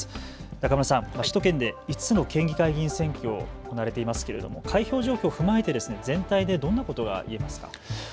中村さん、首都圏で５つの県議会議員選挙が行われていますけれども、開票状況を踏まえて、全体でどんなことが言えますか。